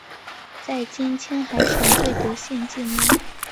在今青海省贵德县境内。